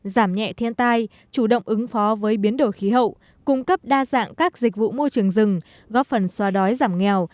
giảm nhẹ thiên tai chủ động ứng phó với biến đổi khí hậu cung cấp đa dạng các dịch vụ môi trường rừng góp phần xoa đói giảm nghèo